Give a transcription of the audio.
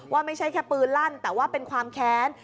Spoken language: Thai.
ไม่ใช่แค่ปืนลั่นแต่ว่าเป็นความแค้น